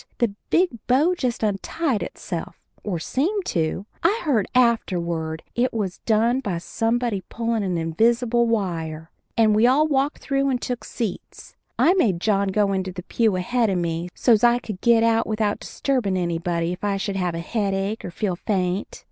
the big bow just untied itself or seemed to I heard afterward it was done by somebody pullin' a invisible wire and we all walked through and took seats. I made John go into the pew ahead of me so's I could get out without disturbin' anybody if I should have a headache or feel faint.